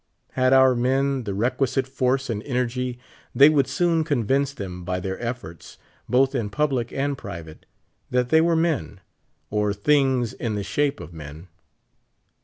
Had our men the reqiilsite force and energy they would soon con vince them b}^ their efforts, both in public and private, tliat they were men. or things in the shape of men.